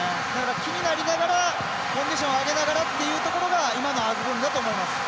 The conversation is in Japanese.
気になりながら、コンディション上げながらというところが今のアズムンだと思います。